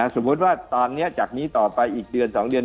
สมมุติว่าตอนนี้จากนี้ต่อไปอีกเดือน๒เดือน